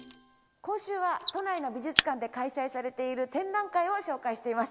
今週は都内の美術館で開催されている展覧会を紹介しています。